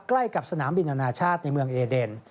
ใกล้กับสนามบินอนาชาติในเมืองเอเดน